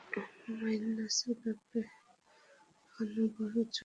মাইনাসের বাপের এখনো রঙ চড়ে।